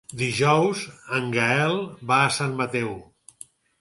Dijous en Gaël va a Sant Mateu.